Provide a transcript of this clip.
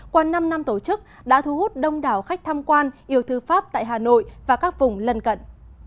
qua năm năm tổ chức đã thu hút đông đảo khách tham quan yêu thư pháp tại hà nội và các vùng lân cận